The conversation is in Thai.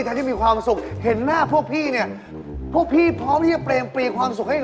บ้านใจไว้ก่อนครับโอ้โฮโอ๊โฮโอ๊มากกว่าอะไร